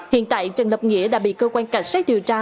hiện tại trần lập nghĩa đã bị cơ quan cảnh sát điều tra